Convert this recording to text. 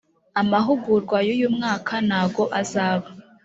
amahugurwa yuyu mwaka ntago azaba